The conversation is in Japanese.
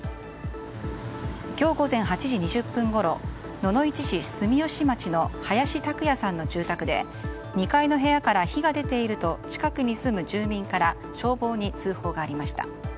今日午前８時２０分ごろ野々市市住吉町の林卓也さんの住宅で２階の部屋から火が出ていると近くに住む住民から消防に通報がありました。